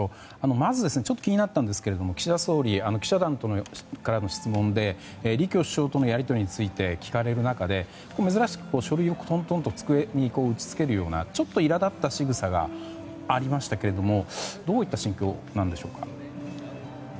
まず、ちょっと気になったのは岸田総理、記者団からの質問で李強首相とのやり取りについて聞かれる中で珍しく、書類をトントンと机に打ち付けるようなちょっといらだったしぐさがありましたけどもどういった心境なんでしょうか。